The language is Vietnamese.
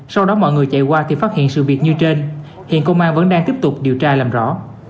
sau đó mọi người chạy qua thì phát hiện sự việc như trên hiện công an vẫn đang tiếp tục điều tra làm rõ